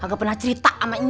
kamu gak pernah cerita sama dia